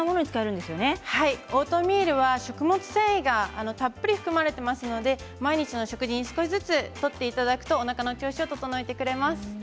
オートミールは食物繊維がたっぷり含まれていますので毎日の食事に少しずつとっていただくとおなかの調子を整えてくれます。